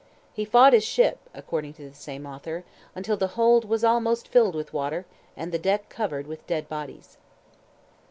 "He fought his ship," according to the same author, "until the hold was almost filled with water, and the deck covered with dead bodies."